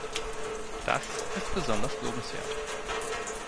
Das ist besonders lobenswert.